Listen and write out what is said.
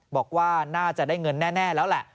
บอกว่าน่าจะได้เงินแน่แล้วแหละ